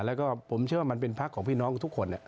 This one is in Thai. แล้วก็ผมเชื่อว่ามันเป็นพักของพี่น้องทุกคน